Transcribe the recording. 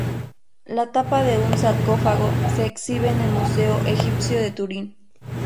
La tapa de su sarcófago se exhibe en el Museo Egipcio de Turín.